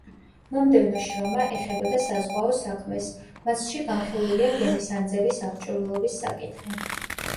მომდევნო შრომა ეხებოდა საზღვაო საქმეს; მასში განხილულია გემის ანძების აღჭურვილობის საკითხი.